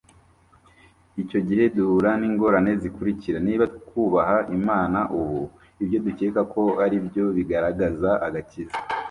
icyo gihe duhura n'ingorane zikurikira: Niba twubaha Imana ubu (ibyo dukeka ko ari byo bigaragaza agakiza),